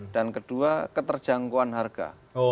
dan kedua keterjangkauan harga